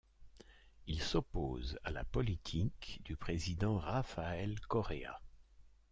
Il s'oppose à la politique du président Rafael Correa.